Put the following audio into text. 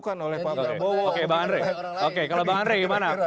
kalau pak andre gimana